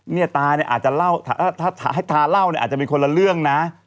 เนี่ยตาเนี่ยอาจจะเล่าถ้าให้ตาเล่าเนี่ยอาจจะเป็นคนละเรื่องนะ